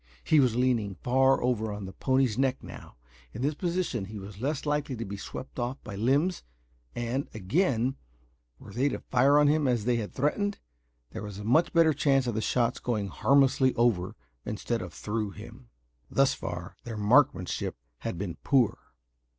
He was leaning far over on the pony's neck now. In this position he was less likely to be swept off by limbs, and, again, were they to fire on him as they had threatened, there was a much better chance of the shots going harmlessly over, instead of through him. Thus far their marksmanship had been poor.